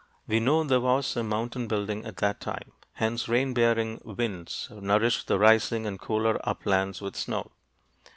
We know there was some mountain building at that time. Hence, rain bearing winds nourished the rising and cooler uplands with snow.